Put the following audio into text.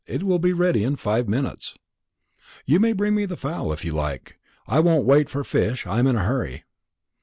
It will be ready in five minutes." "You may bring me the fowl, if you like: I won't wait for fish. I'm in a hurry."